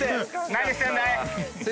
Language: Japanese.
・何してんだい？